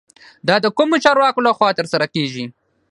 دا د کومو چارواکو له خوا ترسره کیږي؟